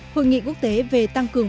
hội nghị quốc tế về tăng cường